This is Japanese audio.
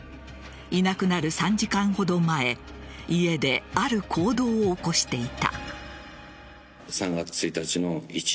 いなくなる３時間ほど前家で、ある行動を起こしていた。